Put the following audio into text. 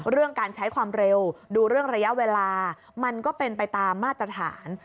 เรื่องการใช้ความเร็วดูเรื่องระยะเวลามันก็เป็นไปตามมาตรฐาน